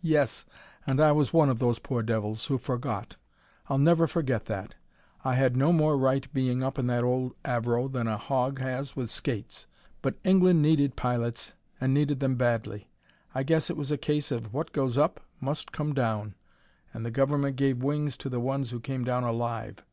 "Yes, and I was one of those 'poor devils' who forgot. I'll never forget that! I had no more right being up in that old Avro than a hog has with skates. But England needed pilots and needed them badly. I guess it was a case of 'what goes up must come down' and the government gave wings to the ones who came down alive.